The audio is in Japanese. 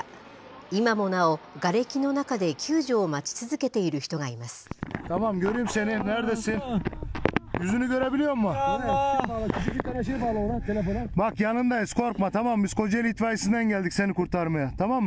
今もなお、がれきの中で救助を待ち続けている人がいます。